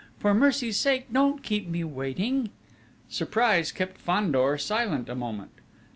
For mercy's sake don't keep me waiting!" Surprise kept Fandor silent a moment.